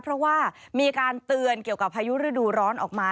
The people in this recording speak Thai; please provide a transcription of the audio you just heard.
เพราะว่ามีการเตือนเกี่ยวกับพายุฤดูร้อนออกมา